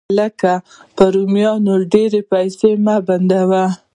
هلکه! په رومیانو ډېرې پیسې مه بندوه